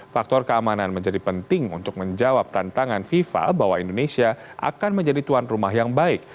faktor keamanan menjadi penting untuk menjawab tantangan fifa bahwa indonesia akan menjadi tuan rumah yang baik